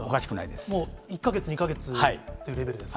もう、１か月、２か月というレベルですか？